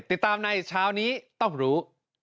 ติดตามในเช้านี้ต้องรู้